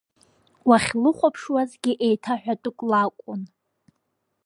Уахьлыхуаԥшуазгьы еиҭаҳәатәык лакун…